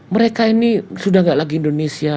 mereka ini sudah tidak lagi indonesia